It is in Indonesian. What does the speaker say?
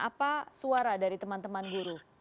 apa suara dari teman teman guru